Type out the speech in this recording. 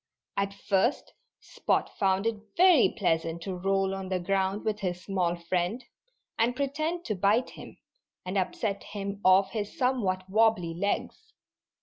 At first Spot found it very pleasant to roll on the ground with his small friend, and pretend to bite him, and upset him off his somewhat wobbly legs.